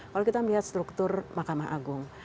kalau kita melihat struktur mahkamah agung